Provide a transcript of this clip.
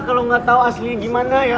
kalau nggak tahu aslinya gimana ya